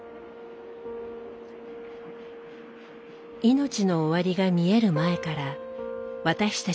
命の終わりが見える前から私たちにできることは。